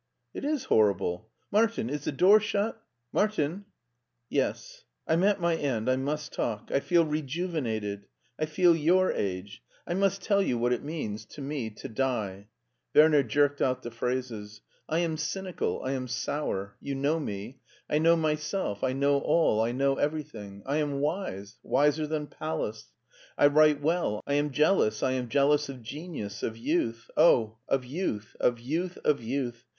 "It IS horrible. Martin! is the door shut? — Martin!" " Yes/' I'm at mv end — I must talk. I feel rejuvenated — I feel your age. I must tell you — ^what it means— HEIDELBERG 63 tome — ^to die." Werner jerked out the phrases. "I am cynical. I am sour. You know me. I know myself, I know all, I know everything — ^I am wise, wiser than Pallas. I write well. I am jealous — I am jealous of genius, of youth — oh, of youth, of youth, of youth